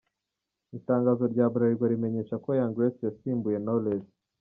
Itangazo rya Bralirwa rimenyesha ko Young Grace yasimbuye Knowless :.